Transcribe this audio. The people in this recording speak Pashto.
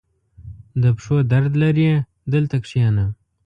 • د پښو درد لرې؟ دلته کښېنه.